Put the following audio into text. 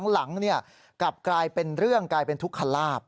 หลังกลับกลายเป็นเรื่องกลายเป็นทุกขลาบ